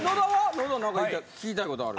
野田なんか聞きたいことある。